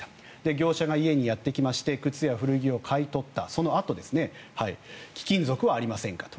業者が家にやってきまして靴や古着を買い取ったそのあと貴金属はありませんか？と。